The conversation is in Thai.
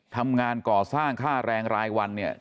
ทำงานก่อสร้างค่าแรงรายวันเนี่ย